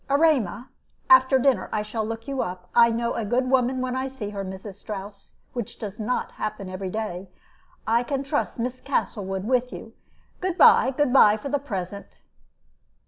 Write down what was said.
Erema, after dinner I shall look you up. I know a good woman when I see her, Mrs. Strouss, which does not happen every day. I can trust Miss Castlewood with you. Good by, good by for the present."